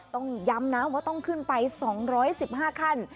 ต้องย้ำนะว่าต้องขึ้นไป๒๑๕ขั้น